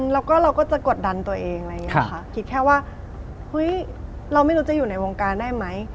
แล้วก็เราก็จะกดดันตัวเองคิดแค่ว่าเราไม่รู้จะอยู่ในวงการได้ไหม